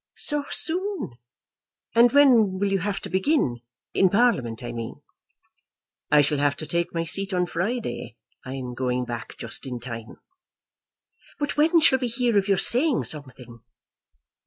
"So soon; and when will you have to begin, in Parliament, I mean?" "I shall have to take my seat on Friday. I'm going back just in time." "But when shall we hear of your saying something?"